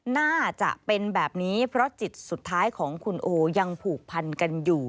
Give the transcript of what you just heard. น่าจะเป็นแบบนี้เพราะจิตสุดท้ายของคุณโอยังผูกพันกันอยู่